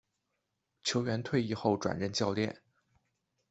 球员退役后转任教练。